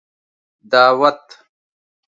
دعوت